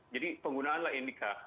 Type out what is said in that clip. jadi penggunaan lah nik